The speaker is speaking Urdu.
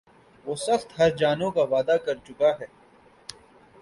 وہ سخت ہرجانوں کا وعدہ کر چُکا ہے